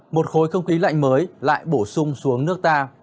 một khối không khí lạnh mới lại bổ sung xuống nước ta